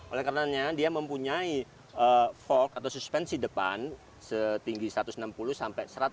oleh karena dia mempunyai fork atau suspensi depan setinggi satu ratus enam puluh sampai satu ratus tujuh puluh